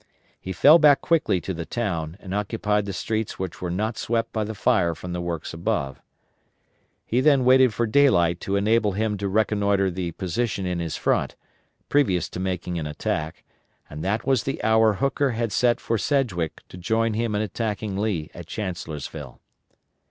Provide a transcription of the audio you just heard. He fell back quickly to the town and occupied the streets which were not swept by the fire from the works above. He then waited for daylight to enable him to reconnoitre the position in his front, previous to making an attack; and that was the hour Hooker had set for Sedgwick to join him in attacking Lee at Chancellorsville.